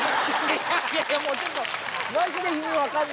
いやいやもうちょっと。